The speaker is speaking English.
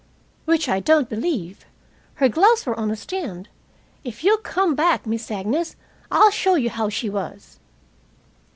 "Which I don't believe. Her gloves were on the stand. If you'll come back, Miss Agnes, I'll show you how she was."